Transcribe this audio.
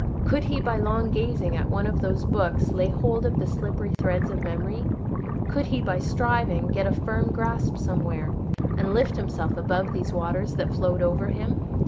Could he by long gazing at one of those books lay hold of the slippery threads of memory? Could he, by striving, get a firm grasp somewhere, and lift himself above these waters that flowed over him?